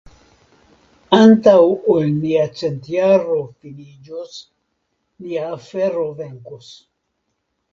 Antaŭ ol nia centjaro finiĝos, nia afero venkos.